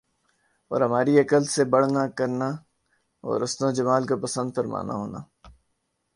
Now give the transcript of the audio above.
اور ہماری عقل سے بڑھنا کرنا اور حسن و جمال کو پسند فرمانا ہونا